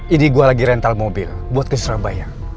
ini gue lagi rental mobil buat ke surabaya